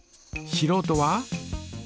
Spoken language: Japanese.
しろうとは？